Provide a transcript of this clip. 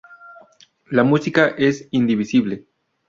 La música es indivisible.